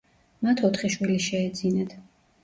მათ ოთხი შვილი შეეძინათ.